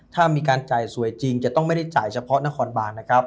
ถ้ามีการจ่ายสวยจริงจะต้องไม่ได้จ่ายเฉพาะนครบานนะครับ